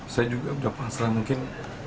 saya juga sudah pasrah mungkin